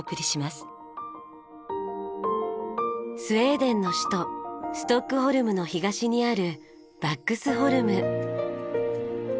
スウェーデンの首都ストックホルムの東にあるヴァックスホルム。